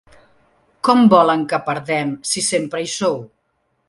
Com volen que perdem, si sempre hi sou?